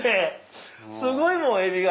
すごいもんエビが。